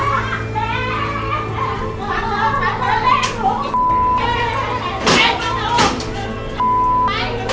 อย่าเอามันเดินเข้ามา